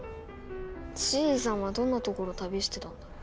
シエリさんはどんな所旅してたんだろ。